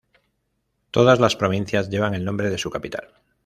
Todas las provincias llevan el nombre de su capital.